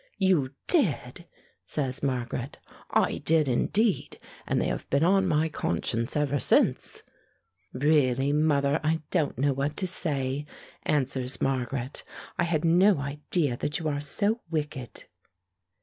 "You did!" says Margaret. "I did indeed! and they have been on my conscience ever since." "Really, mother! I don't know what to say," answers Margaret. "I had no idea that you are so wicked."